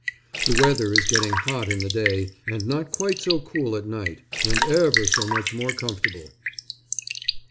The weather is getting hot in the day and not quite so cool at night, and ever so much more comfortable.